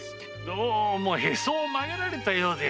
どうもヘソをまげられたようで。